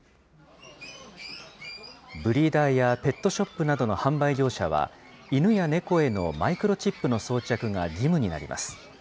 ブリーダーやペットショップなどの販売業者は、犬や猫へのマイクロチップの装着が義務になります。